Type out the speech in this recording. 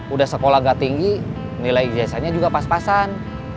udah sekolah gak tinggi nilai ijazahnya juga pas pasan